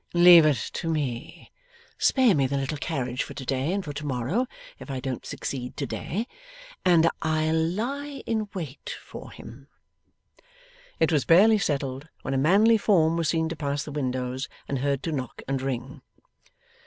Leave it to me. Spare me the little carriage for to day, and for to morrow (if I don't succeed to day), and I'll lie in wait for him.' It was barely settled when a manly form was seen to pass the windows and heard to knock and ring.